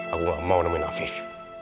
aku tidak mau menemukan afif